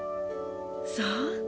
そう？